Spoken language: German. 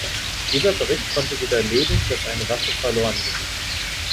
Dieser Bericht konnte widerlegen, dass eine Waffe verloren ging.